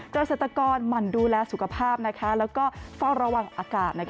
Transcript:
เกษตรกรมันดูแลสุขภาพและก็ฟ่อนระหว่างอากาศ